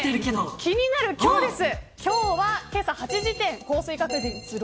気になる今日です。